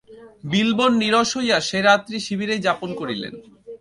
বিল্বন নিরাশ হইয়া সে রাত্রি শিবিরেই যাপন করিলেন।